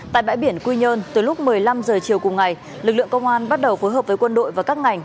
tại bãi biển quy nhơn từ lúc một mươi năm h chiều cùng ngày lực lượng công an bắt đầu phối hợp với quân đội và các ngành